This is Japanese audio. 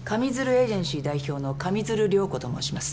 エージェンシー代表の上水流涼子と申します。